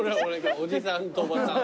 おじさんとおばさんは。